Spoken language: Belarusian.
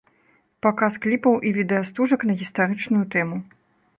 Паказ кліпаў і відэастужак на гістарычную тэму.